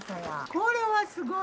これはすごい！